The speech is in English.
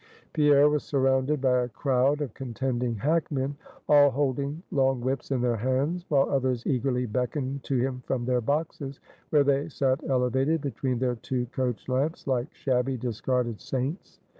Pierre was surrounded by a crowd of contending hackmen, all holding long whips in their hands; while others eagerly beckoned to him from their boxes, where they sat elevated between their two coach lamps like shabby, discarded saints.